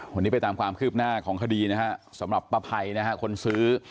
วันนี้ไปตามความคืบหน้าของคดีสำหรับประไพคนซื้อ